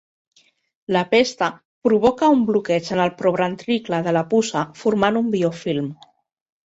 La pesta provoca un bloqueig en el proventricle de la puça formant un biofilm.